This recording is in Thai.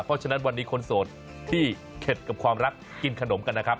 เพราะฉะนั้นวันนี้คนโสดที่เข็ดกับความรักกินขนมกันนะครับ